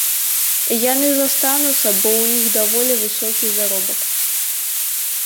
Яны застануцца, бо ў іх даволі высокі заробак.